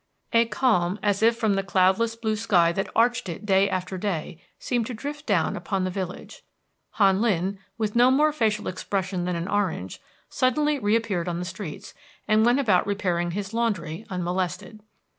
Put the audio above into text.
A calm, as if from out the cloudless blue sky that arched it day after day, seemed to drift down upon the village. Han Lin, with no more facial expression than an orange, suddenly reappeared on the streets, and went about repairing his laundry, unmolested.